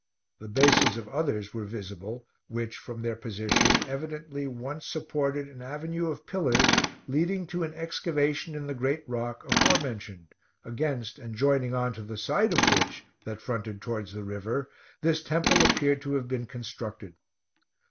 The bases of others were visible, which, from their position, evidently once supported an avenue of pillars leading to an excavation in the great rock aforementioned, against and joining on to the side of which, that fronted towards the river, this temple appeared to have been constructed.